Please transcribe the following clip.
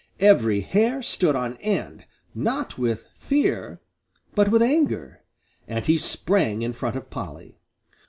Every hair stood on end, not with fear, but with anger, and he sprang in front of Polly.